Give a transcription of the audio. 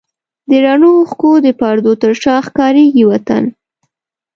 د رڼو اوښکو د پردو تر شا ښکارېږي وطن